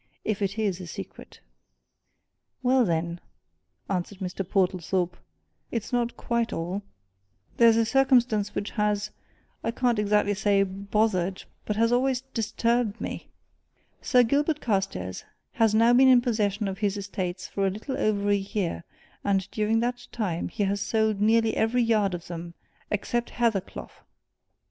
"If it is a secret." "Well, then," answered Mr. Portlethorpe, "it's not quite all. There is a circumstance which has I can't exactly say bothered but has somewhat disturbed me. Sir Gilbert Carstairs has now been in possession of his estates for a little over a year, and during that time he has sold nearly every yard of them except Hathercleugh!"